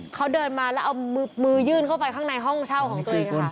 เขาเดินมาแล้วเอามือยื่นเข้าไปข้างในห้องเช่าของตัวเองค่ะ